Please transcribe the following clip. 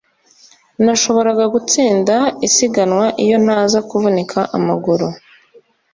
Nashoboraga gutsinda isiganwa iyo ntaza kuvunika amaguru